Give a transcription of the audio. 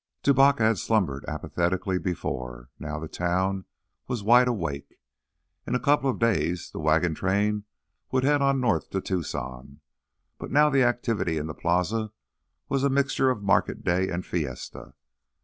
Tubacca had slumbered apathetically before; now the town was wide awake. In a couple of days the wagon train would head on north to Tucson, but now the activity in the plaza was a mixture of market day and fiesta.